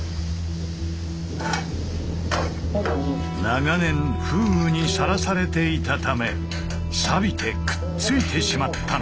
長年風雨にさらされていたためさびてくっついてしまったのだ。